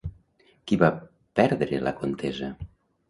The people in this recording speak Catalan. Qui va perdre la contesa?